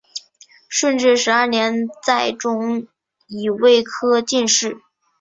顺治十二年再中乙未科进士。